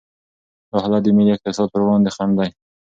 دا حالت د ملي اقتصاد پر وړاندې خنډ دی.